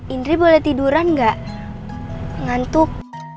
indri boleh tiduran nggak ngantuk